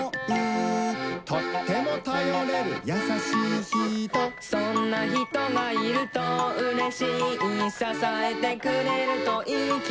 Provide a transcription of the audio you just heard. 「とってもたよれるやさしいひと」「そんなひとがいるとうれしい」「ささえてくれるといいきもち」